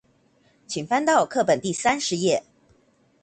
請翻到課本第三十頁